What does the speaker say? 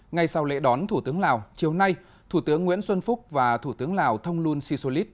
ngay sau lễ đón thủ tướng lào chiều nay thủ tướng nguyễn xuân phúc và thủ tướng lào thông luân si sô lít